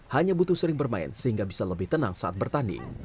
hanya butuh sering bermain sehingga bisa lebih tenang saat bertanding